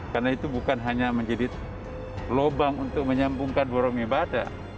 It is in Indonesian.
karena itu bukan hanya menjadi lubang untuk menyambungkan borong ibadah